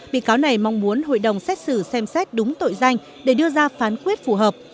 bị cáo này mong muốn hội đồng xét xử xem xét đúng tội danh để đưa ra phán quyết phù hợp